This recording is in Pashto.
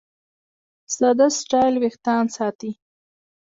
ساده سټایل وېښتيان ساتي.